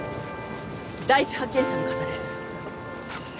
第一発見者の方です。